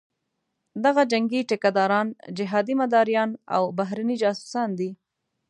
دغه جنګي ټیکه داران، جهادي مداریان او بهرني جاسوسان دي.